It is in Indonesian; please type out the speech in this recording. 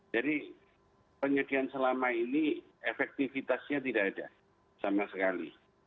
jadi penyediaan selama ini efektifitasnya tidak ada sama sekali